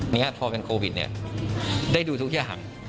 นี้พอเป็นโควิดเนี่ยได้ดูทุกอย่าง